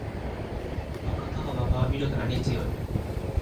この肩幅は見るからに強い